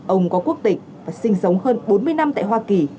ông có quốc tịch và sinh sống hơn bốn mươi năm tại hoa kỳ